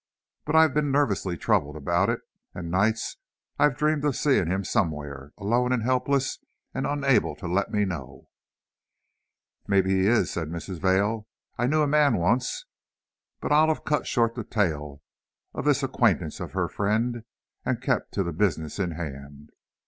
But I've been nervously troubled about it, and nights I've dreamed of seeing him somewhere, alone and helpless, and unable to let me know " "Maybe he is," said Mrs. Vail; "I knew a man once " But Olive cut short the tale of this acquaintance of her friend and kept to the business in hand.